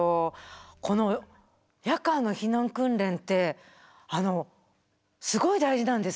この夜間の避難訓練ってすごい大事なんですね。